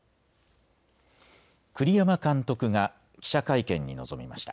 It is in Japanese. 栗山監督が記者会見に臨みました。